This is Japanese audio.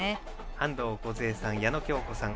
安藤梢さん、矢野喬子さん